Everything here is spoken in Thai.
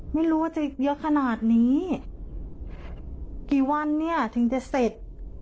ไม่รู้ว่าจะเยอะขนาดนี้กี่วันเนี่ยถึงจะเสร็จ